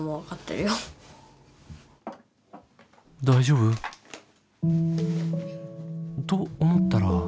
大丈夫？と思ったら。